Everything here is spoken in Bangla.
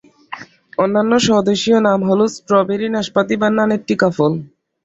অন্যান্য স্বদেশীয় নাম হলো স্ট্রবেরি নাশপাতি বা নানেট্টিকাফল।